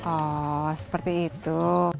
oh seperti itu